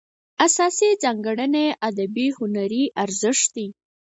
اساسي ځانګړنه یې ادبي هنري ارزښت دی.